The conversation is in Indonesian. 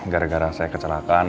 gara gara saya kecelakaan